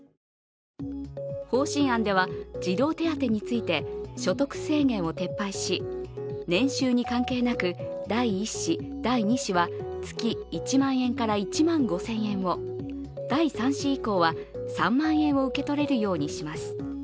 方針案では児童手当について所得制限を撤廃し年収に関係なく、第１子、第２子は月１万円から１万５０００円を、第３子以降は、３万円を受け取れるようにします。